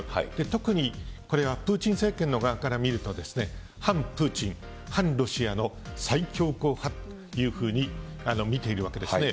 特にこれはプーチン政権の側から見ると、反プーチン、反ロシアの最強硬派というふうに見ているわけですね。